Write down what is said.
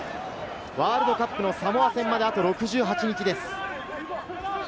ワールドカップのサモア戦まで、あと６８日です。